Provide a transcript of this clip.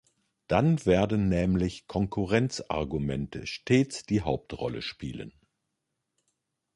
Dann werden nämlich Konkurrenzargumente stets die Hauptrolle spielen.